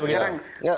di mana sekarang